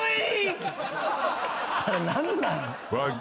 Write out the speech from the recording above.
あれ何なん？